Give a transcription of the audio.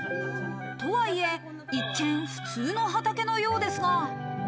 とはいえ一見、普通の畑のようですが。